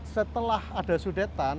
setelah ada sudetan